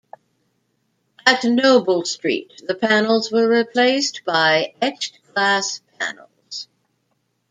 At Noble Street, the panels were replaced by etched glass panels.